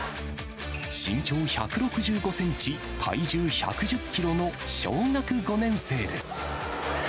身長１６５センチ、体重１１０キロの小学５年生です。